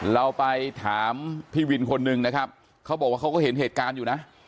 เราไปถามพี่วินคนหนึ่งนะครับเขาบอกว่าเขาก็เห็นเหตุการณ์อยู่นะ